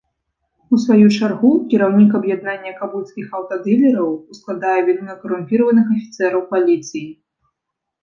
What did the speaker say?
У сваю чаргу, кіраўнік аб'яднання кабульскіх аўтадылераў ускладае віну на карумпіраваных афіцэраў паліцыі.